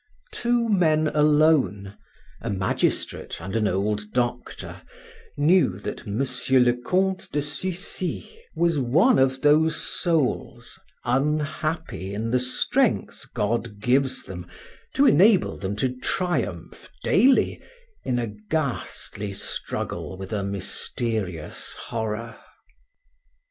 Two men alone, a magistrate and an old doctor, knew that Monsieur le Comte de Sucy was one of those souls unhappy in the strength God gives to them to enable them to triumph daily in a ghastly struggle with a mysterious horror.